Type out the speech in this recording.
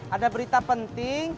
ada berita penting